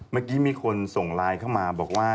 เมื่อกี้มีคนส่งไลน์เข้ามาบอกว่า